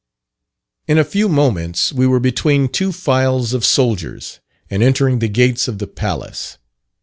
In a few moments we were between two files of soldiers, and entering the gates of the palace.